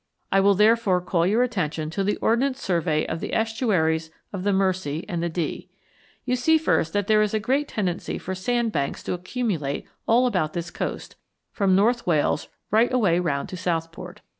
I will therefore call your attention to the Ordnance Survey of the estuaries of the Mersey and the Dee. You see first that there is a great tendency for sand banks to accumulate all about this coast, from North Wales right away round to Southport.